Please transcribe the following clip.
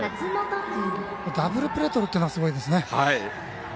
ダブルプレーとるっていうのはすごいですね。